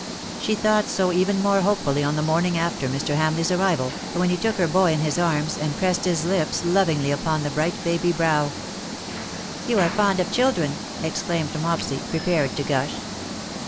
She thought so even more hopefully on the morning after Mr. Hamleigh's arrival, when he took her boy in his arms, and pressed his lips lovingly upon the bright babv brow. THAT THE DAY WILL END." C21 ^' You are fond of children/^ exclaimed Mopsj , prepared to gush.